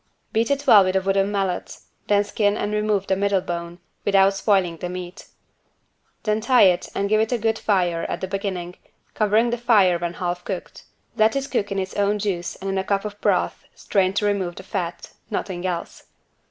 Beat it well with a wooden mallet, then skin and remove the middle bone, without spoiling the meat. Then tie it and give it a good fire at the beginning, covering the fire when half cooked. Let it cook in its own juice and in a cup of broth strained to remove the fat; nothing else.